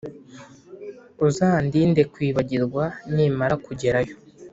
Uzandinde kwibagirwa nimara kugerayo